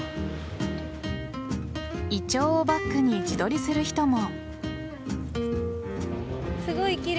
イチョウをバックに自撮りする人も。